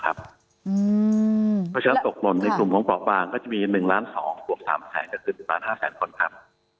ก็จะตกลงในกลุ่มของเบาะบางจะมี๑๒ล้านบาทบวก๓แสนคือ๑๕แสนคนครับ